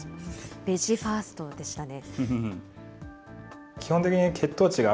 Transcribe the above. ベジファーストでしたね。